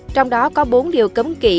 trong đó có bốn điều cấm kỵ